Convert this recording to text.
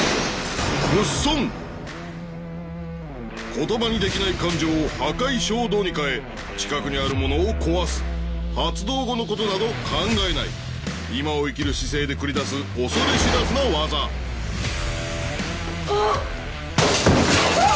言葉にできない感情を破壊衝動に変え近くにあるものを壊す発動後のことなど考えない今を生きる姿勢で繰り出す恐れ知らずな技あっああー！